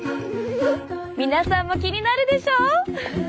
皆さんも気になるでしょう？